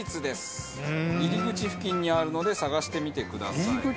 入り口付近にあるので探してみてください。